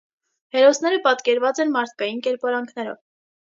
Հերոսները պատկերված են մարդկային կերպարանքներով։